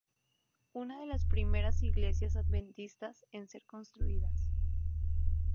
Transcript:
Una de las primeras iglesias adventistas en ser construidas.